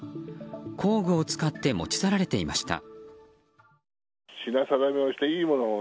工具を使って持ち去られていました。